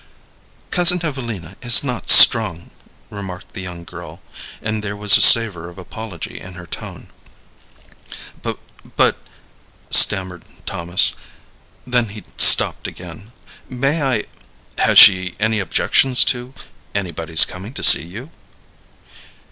"Cousin Evelina is not strong," remarked the young girl, and there was a savor of apology in her tone. "But " stammered Thomas; then he stopped again. "May I has she any objections to anybody's coming to see you?"